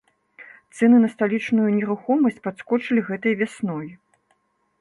Цэны на сталічную нерухомасць падскочылі гэтай вясной.